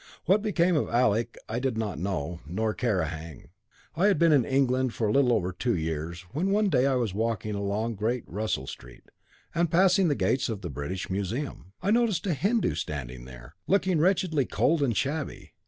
What became of Alec I did not know, nor care a hang. I had been in England for a little over two years, when one day I was walking along Great Russell Street, and passing the gates of the British Museum, I noticed a Hindu standing there, looking wretchedly cold and shabby.